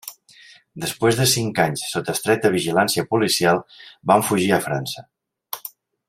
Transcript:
Després de cinc anys sota estreta vigilància policial, van fugir a França.